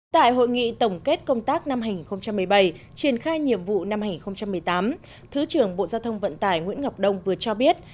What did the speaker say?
tại hội nghị tổng kết công tác năm hai nghìn một mươi bảy triển khai nhiệm vụ năm hai nghìn một mươi tám thứ trưởng bộ giao thông vận tải nguyễn ngọc đông vừa cho biết